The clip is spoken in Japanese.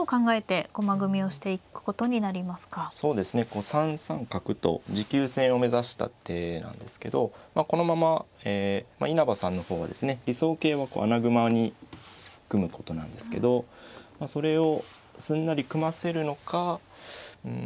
こう３三角と持久戦を目指した手なんですけどこのまま稲葉さんの方はですね理想形はこう穴熊に組むことなんですけどそれをすんなり組ませるのかうん